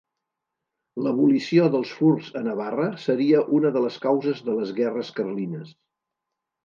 L'abolició dels furs a Navarra seria una de les causes de les Guerres carlines.